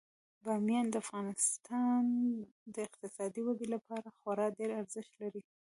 بامیان د افغانستان د اقتصادي ودې لپاره خورا ډیر ارزښت لري.